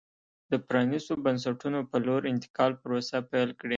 د پرانېستو بنسټونو په لور انتقال پروسه پیل کړي.